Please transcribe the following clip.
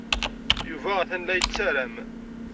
Yuba atan la yettarem.